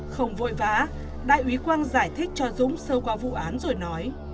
không vội vã đại úy quang giải thích cho dũng sau qua vụ án rồi nói